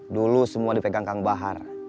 dulu semua dipegang kang bahar